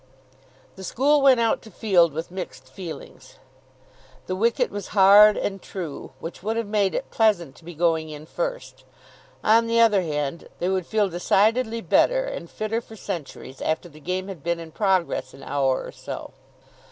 The school went out to field with mixed feelings. The wicket was hard and true, which would have made it pleasant to be going in first. On the other hand, they would feel decidedly better and fitter for centuries after the game had been in progress an hour or so.